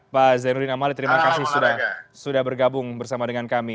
pak zainuddin amali terima kasih sudah bergabung bersama dengan kami